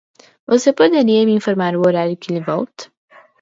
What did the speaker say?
Você poderia me informar o horário que ele volta?